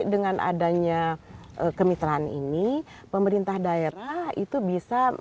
dengan adanya kemitraan ini pemerintah daerah itu bisa